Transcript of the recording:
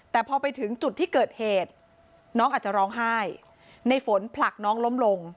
แต่พอไปถึงจุดที่เกิดเหตุน้องอาจจะร้องไห้ในฝนผลักน้องล้มลง